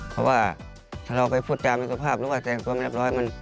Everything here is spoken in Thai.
เพราะว่าถ้าเราไปฟูดจายสภาพหรือว่าแต่งตัวไม่เรียบร้อย